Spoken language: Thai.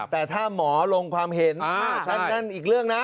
แต่ถ้าหมอลงความเห็นนั่นอีกเรื่องนะ